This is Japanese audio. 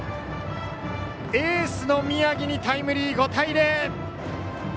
エースの宮城にタイムリー、５対０。